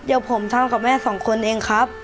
เดี๋ยวผมทำกับแม่สองคนเองครับ